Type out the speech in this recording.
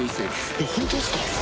えっ本当ですか？